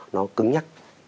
nó cứng nhắc